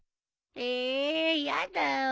えやだよ。